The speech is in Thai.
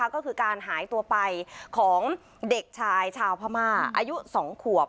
ก็คือการหายตัวไปของเด็กชายชาวพม่าอายุ๒ขวบ